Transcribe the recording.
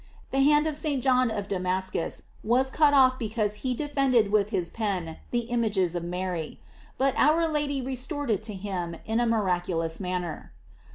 The hand of St. John of Damascus was cut off because he defended with his pen the images of Mary; but our Lady restored it to him in a miraculous manner.